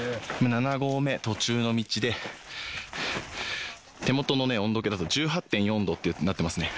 七合目途中の道で、手元の温度計だと、１８．４度ってなってますね。